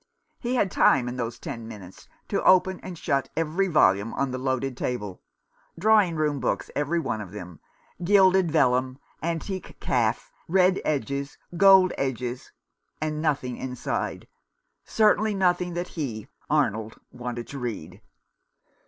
He had time in those ten minutes to open and shut every volume on the loaded table. Drawing room books every one of them : gilded vellum, antique calf, red edges, gold edges : and nothing inside — certainly nothing that he, Arnold, wanted to read.